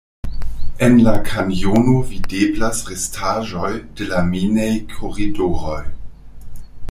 En la kanjono videblas restaĵoj de la minej-koridoroj.